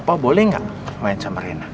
opa boleh gak main sama rena